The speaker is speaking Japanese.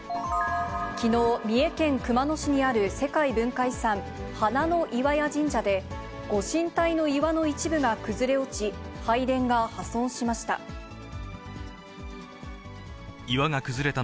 きのう、三重県熊野市にいる世界文化遺産、花の窟神社で、ご神体の岩の一部が崩れ落ち、拝殿が破損しました。